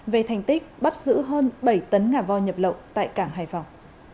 về thành tích bắt giữ hơn bảy tấn ngà vo nhập lậu tại cảng hải phòng